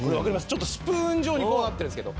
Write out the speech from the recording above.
ちょっとスプーン状にこうなってるんですけど。